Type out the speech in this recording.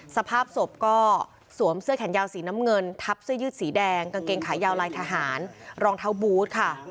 สภาพศพก็สวมเสื้อแขนยาวสีน้ำเงินทับเสื้อยืดสีแดงกางเกงขายาวลายทหารรองเท้าบูธค่ะ